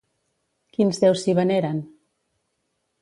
Quins déus s'hi veneren?